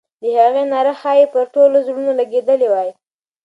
د هغې ناره ښایي پر ټولو زړونو لګېدلې وای.